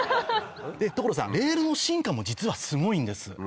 所さんレールの進化も実はすごいんです。